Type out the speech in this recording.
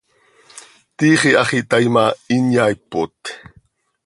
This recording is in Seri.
Tiix iihax ihtaai ma, hin yaaipot.